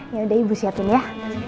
yaudah ibu siapin ya